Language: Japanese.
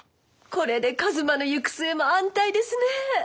これで一馬の行く末も安泰ですね！